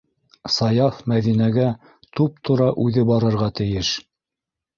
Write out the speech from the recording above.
Саяф Мәҙинәгә туп-тура үҙе барырға тейеш!